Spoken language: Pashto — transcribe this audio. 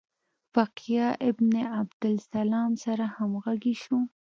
فقیه ابن عبدالسلام سره همغږي شو.